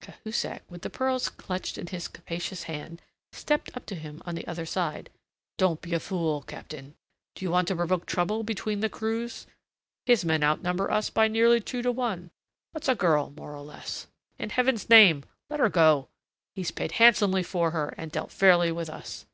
Cahusac, with the pearls clutched in his capacious hand, stepped up to him on the other side. "Don't be a fool, Captain. Do you want to provoke trouble between the crews? His men outnumber us by nearly two to one. What's a girl more or less? In Heaven's name, let her go. He's paid handsomely for her, and dealt fairly with us."